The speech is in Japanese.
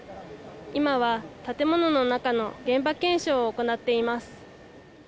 今は、建物の中の現場検証を行っています。